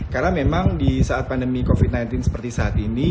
karena memang di saat pandemi covid sembilan belas seperti saat ini